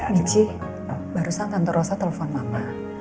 michi barusan tante rosa telepon mama